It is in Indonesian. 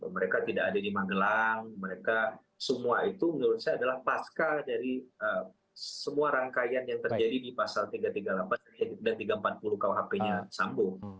mereka tidak ada di magelang mereka semua itu menurut saya adalah pasca dari semua rangkaian yang terjadi di pasal tiga ratus tiga puluh delapan dan tiga ratus empat puluh kuhp nya sambung